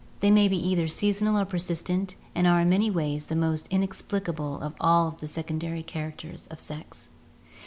They may be either seasonal or persistent and are in many ways the most inexplicable of all the secondary characters of sex.